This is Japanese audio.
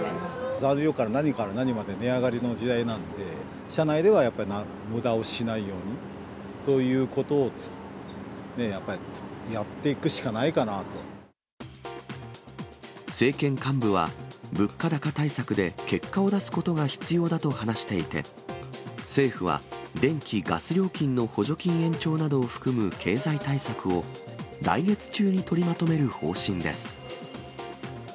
材料から何から何まで値上がりの時代なんで、社内ではやっぱりむだをしないようにということをやっぱりやって政権幹部は、物価高対策で結果を出すことが必要だと話していて、政府は、電気・ガス料金の補助金延長などを含む経済対策を、おはよう。